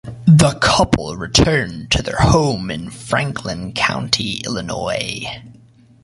The couple returned to their home in Franklin County, Illinois.